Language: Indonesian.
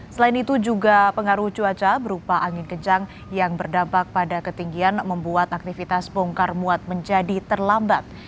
selain itu juga pengaruh cuaca berupa angin kencang yang berdampak pada ketinggian membuat aktivitas bongkar muat menjadi terlambat